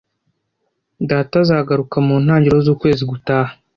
Data azagaruka mu ntangiriro z'ukwezi gutaha